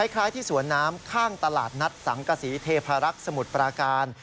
คล้ายที่สวนน้ำข้างตลาดนัดสังกษีเทพารักษ์สมุทรปราการ